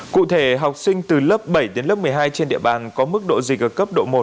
cụ thể học sinh từ lớp bảy đến lớp một mươi hai trên địa bàn có mức độ dịch ở cấp độ một